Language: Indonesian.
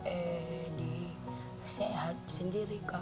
eh di sehat sendiri